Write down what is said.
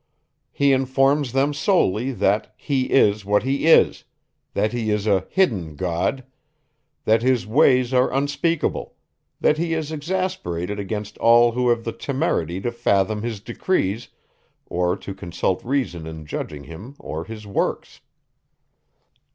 He informs them solely, that he is what he is; that he is a hidden God; that his ways are unspeakable; that he is exasperated against all who have the temerity to fathom his decrees, or to consult reason in judging him or his works.